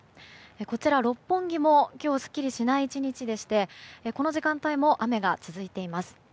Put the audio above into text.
こちら、六本木も今日はすっきりしない１日でしてこの時間帯も雨が続いています。